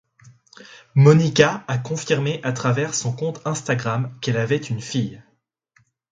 Monica a confirmé à travers son compte Instagram qu'elle avait une fille.